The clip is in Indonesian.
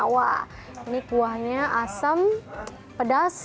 wah ini kuahnya asam pedas seger